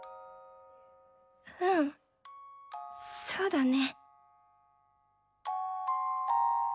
うんそうだね。